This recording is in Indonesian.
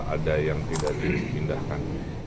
ada yang tidak diindahkan